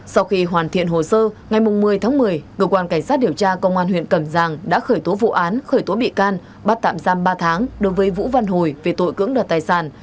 sau khi hoàn thiện hồ sơ ngày một mươi tháng một mươi cơ quan cảnh sát điều tra công an huyện cẩm giang đã khởi tố vụ án khởi tố bị can bắt tạm giam ba tháng đối với vũ văn hồi về tội cưỡng đoạt tài sản